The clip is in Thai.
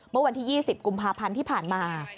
เมื่อวันที่๒๐กุมภาพันธ์ที่ผ่านมา